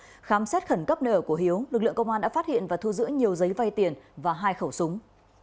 khám xét khẩn cấp nợ của hiếu lực lượng công an đã phát hiện và thu giữ nhiều giấy vay tiền và hai khẩu súng